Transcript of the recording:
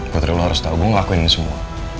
katerina lo harus tahu gue ngelakuin ini semua